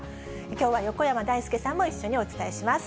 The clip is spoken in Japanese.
きょうは横山だいすけさんも一緒にお伝えします。